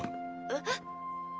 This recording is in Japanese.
えっ？